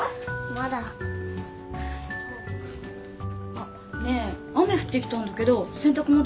あっねえ雨降ってきたんだけど洗濯物とか大丈夫？